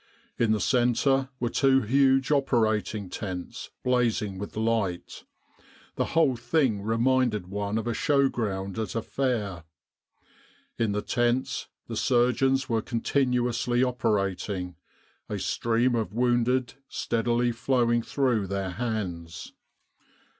In the centre were two huge operating tents blazing with light. The whole thing reminded one of a show ground at a fair. In the tents the surgeons were continuously operating, a stream of wounded steadily flowing through their hands.